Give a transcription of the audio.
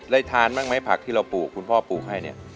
ทานบ้างไหมผักที่เราปลูกคุณพ่อปลูกให้เนี่ย